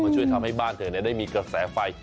ช่วยทำให้บ้านเธอได้มีกระแสไฟ